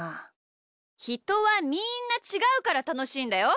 ひとはみんなちがうからたのしいんだよ。